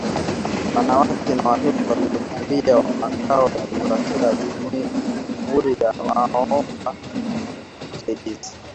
Wanawake na watoto waliokimbia makwao demokrasia ya jamuhuri ya waomba usaidizi